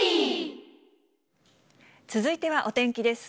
続いてはお天気です。